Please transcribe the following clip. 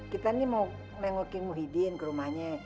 kita nih mau mengoking muhyiddin ke rumahnya